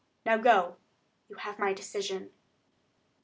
Now go; you have my decision."